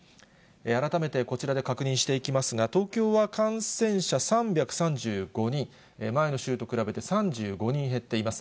改めてこちらで確認していきますが、東京は感染者３３５人、前の週と比べて３５人減っています。